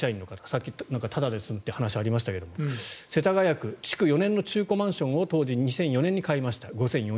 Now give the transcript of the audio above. さっき、タダで住むという話がありましたが世田谷区築４年の中古マンションを当時２００４年に買いました５４００万円